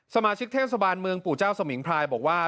สมาชิกเทศบาลเมืองปู่เจ้าสมิงพรายบอกว่า